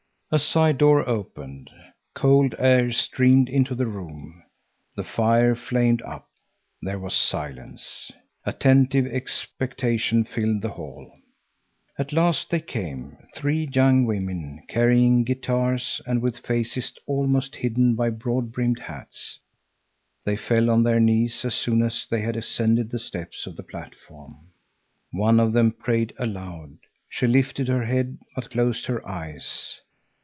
A side door opened. Cold air streamed into the room. The fire flamed up. There was silence. Attentive expectation filled the hall. At last they came, three young women, carrying guitars and with faces almost hidden by broad brimmed hats. They fell on their knees as soon as they had ascended the steps of the platform. One of them prayed aloud. She lifted her head, but closed her eyes.